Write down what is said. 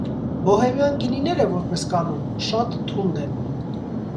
Բոհեմյան գինիները, որպես կանոն, շատ թունդ են։